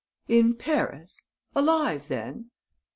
"In Paris? Alive then?"